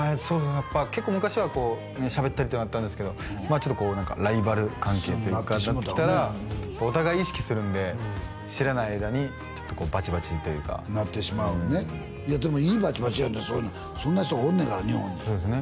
やっぱ結構昔はしゃべったりっていうのあったんですけどちょっとこうライバル関係になってきたらお互い意識するんで知らない間にちょっとこうバチバチというかなってしまうんねでもいいバチバチやでそういうのそんな人がおんねから日本にそうですね